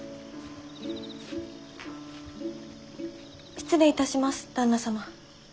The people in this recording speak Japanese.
失礼いたします旦那様。